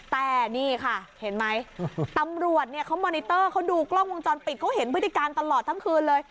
แต่นี่ค่ะเห็นไหมตำรวจเนี่ยเขามอนิเตอร์เขาดูกล้องวงจรปิดเขาเห็นพฤติการตลอดทั้งคืนเลย